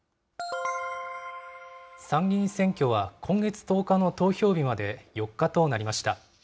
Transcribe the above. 参議院選挙は今月１０日の投票日まで４日となりました。